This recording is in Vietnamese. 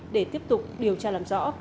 để tiếp tục điều tra làm rõ